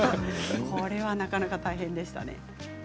これはなかなか大変でしたね。